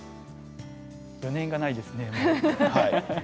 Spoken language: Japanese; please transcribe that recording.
余念がないですね。